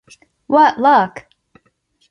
What luck!